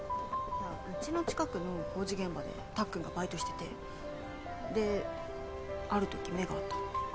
家の近くの工事現場でたっくんがバイトしててである時目が合ったの。